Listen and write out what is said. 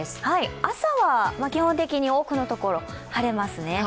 朝は基本的に多くのところ晴れますね。